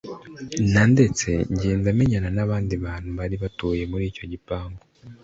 na ndetse ngenda menyana n’abandi bantu bari batuye muri icyo gipangu